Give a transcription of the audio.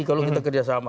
kalau kita kerjasama